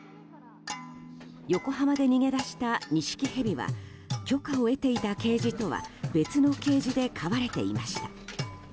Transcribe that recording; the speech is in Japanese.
横浜で逃げ出したニシキヘビは許可を得ていたケージとは別のケージで飼われていました。